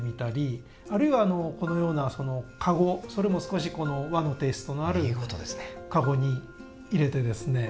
あるいはこのような籠それも少し和のテイストのある籠に入れてですね